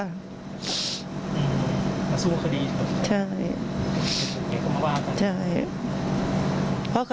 มาสู้คดีต่อไปครับอย่างเก่งกับเมื่อวานค่ะ